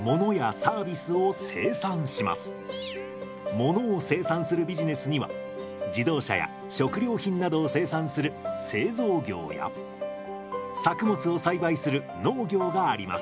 ものを生産するビジネスには自動車や食料品などを生産する製造業や作物を栽培する農業があります。